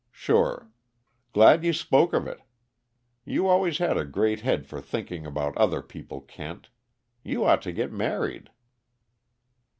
Sure. Glad you spoke of it. You always had a great head for thinking about other people, Kent. You ought to get married."